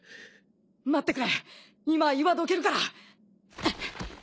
待ってくれ今岩どけるから。